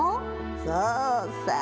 そうさ。